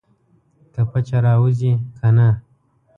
که پچه راوځي کنه.